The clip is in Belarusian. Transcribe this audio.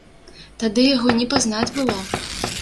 Тады яго не пазнаць было.